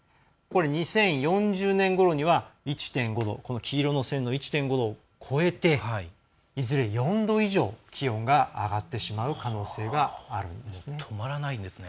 ２０４０年ごろには１．５度の黄色の線を超えていずれ４度以上気温が上がってしまう可能性があるんですね。